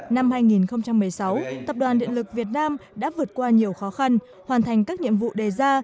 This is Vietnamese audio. năm hai nghìn một mươi sáu tập đoàn điện lực việt nam đã vượt qua nhiều khó khăn hoàn thành các nhiệm vụ đề ra